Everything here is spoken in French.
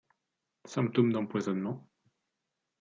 Symptômes d’empoisonnement